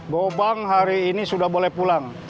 bobang hari ini sudah boleh pulang